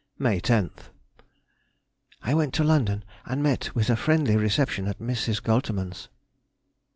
May 10th.—I went to London, and met with a friendly reception at Mrs. Goltermann's.